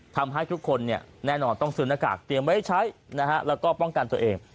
ทำให้ทุกคนแน่นอนต้องซื้อหน้ากากเตรียมไว้ใช้แล้วก็ป้องกันตัวเอง